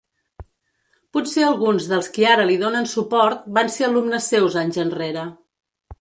Potser alguns dels qui ara li donen suport van ser alumnes seus anys enrere.